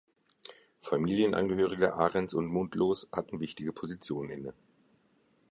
Familienangehörige Arendts und Mundlos' hatten wichtige Positionen inne.